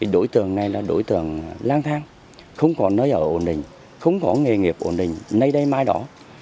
đối tượng này là đối tượng lang thang không có nơi ở ổn định không có nghề nghiệp ổn định nơi đây mai đó